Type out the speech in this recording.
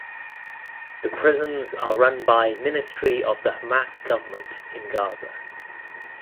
The prisons are run by Ministry of the Hamas government in Gaza.